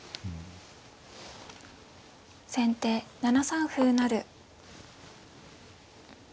先手７三歩成。